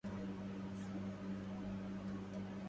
أخبرني توم أنه لم يعد مريضا.